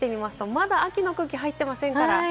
まだ秋の空気が入っていませんから。